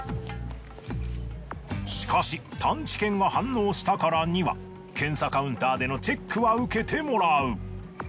しかし探知犬が反応したからには検査カウンターでのチェックは受けてもらう。